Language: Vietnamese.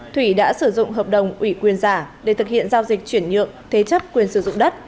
thủy đã sử dụng hợp đồng ủy quyền giả để thực hiện giao dịch chuyển nhượng thế chấp quyền sử dụng đất